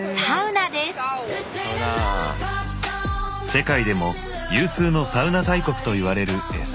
世界でも有数のサウナ大国といわれるエストニア。